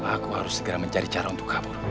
aku harus segera mencari cara untuk kabur